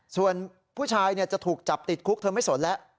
ส่วนผู้ชายจะถูกจับติดคุกเธอไม่สนแล้ว